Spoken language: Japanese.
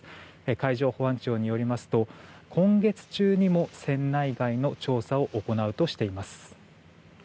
海上保安庁によりますと今月中にも船内外の調査を行うとしています。